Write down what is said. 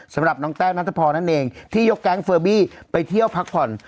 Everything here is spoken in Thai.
สำหรับน้องแต้วนัทพรนั่นเองที่ยกแก๊งเฟอร์บี้ไปเที่ยวพักผ่อน